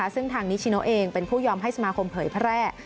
ซึ่งทางนิชิโนเองเป็นผู้ยอมให้สมาคมเผยแพร่